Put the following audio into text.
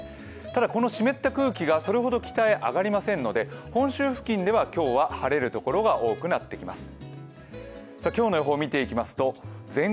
ただこの湿った空気がそれほど北へ上がりませんので本州付近では今日は晴れるところが多くなっていきます。